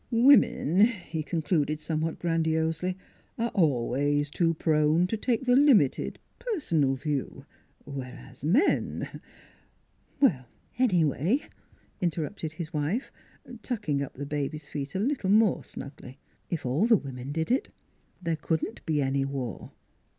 " Women," he concluded somewhat grand iosely, " are always too prone to take the lim ited, personal view, whereas men " NEIGHBORS 157 " Well, anyway," interrupted his wife, tucking up the baby's feet a little more snugly, " if all the women did it, there couldn't be any war."